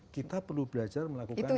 kita perlu belajar melakukan